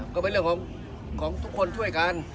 ก็เป็นเรื่องของทุกคนช่วยกัน